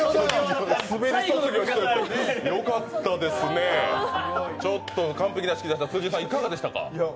よかったですね、ちょっと完璧な指揮でした辻井さん、いかがでしたか？